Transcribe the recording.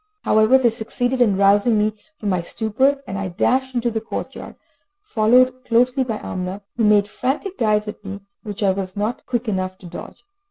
However they succeeded in rousing me from my stupor, and I dashed into the court yard, followed closely by Amina, who made frantic dives at me, which I was not quick enough to dodge.